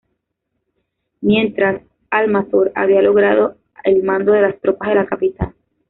Mientras, Almanzor había logrado el mando de las tropas de la capital.